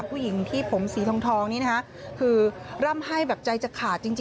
ผู้หญิงที่ผมสีทองนี้นะคะคือร่ำให้แบบใจจะขาดจริง